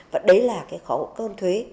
và đấy là khó khăn thuế